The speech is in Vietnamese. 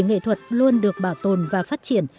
nghệ thuật luôn được bảo tồn và phát triển